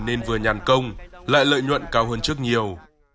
nên vừa nhàn công lại lợi nhuận cao hơn trước nhiều